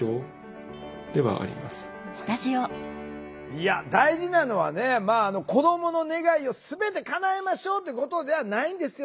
いや大事なのは子どもの願いを全てかなえましょうってことではないんですよ。